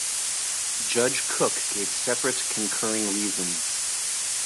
Judge Cook gave separate concurring reasons.